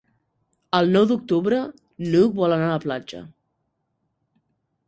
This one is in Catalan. El nou d'octubre n'Hug vol anar a la platja.